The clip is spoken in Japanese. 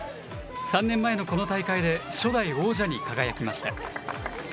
３年前のこの大会で、初代王者に輝きました。